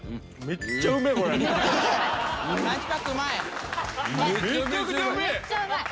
めっちゃうまい！